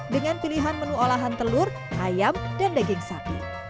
dengan pilihan menu olahan telur ayam dan daging sapi